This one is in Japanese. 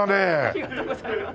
ありがとうございます。